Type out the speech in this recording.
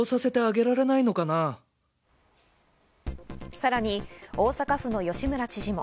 さらに大阪府の吉村知事も。